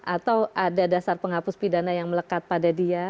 atau ada dasar penghapus pidana yang melekat pada dia